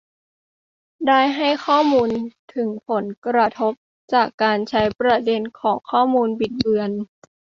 ได้ให้ข้อมูลถึงผลกระทบจากการใช้ประเด็นของข้อมูลบิดเบือน